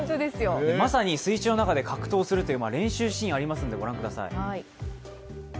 まさに水中の中で格闘するという練習をするシーンがありますのでご覧ください。